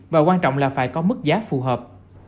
và quan trọng là phải có mức giá phù hợp